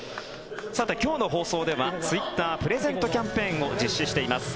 今日の放送ではツイッタープレゼントキャンペーンを実施しています。